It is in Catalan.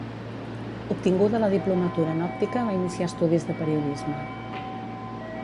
Obtinguda la diplomatura en Òptica, va iniciar estudis de Periodisme.